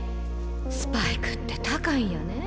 スパイクって高いんやねえ